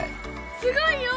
すごいよ！